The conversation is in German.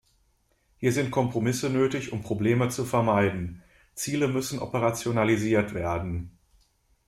Hier sind Kompromisse nötig, um Probleme zu vermeiden; Ziele müssen operationalisiert werden.